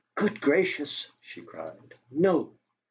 "Good gracious!" she cried. "NO!"